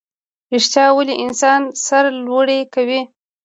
ریښتیا ویل انسان سرلوړی کوي